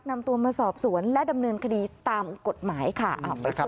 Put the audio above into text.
นำตัวมาสอบสวนและดำเนินคดีตามกฎหมายค่ะ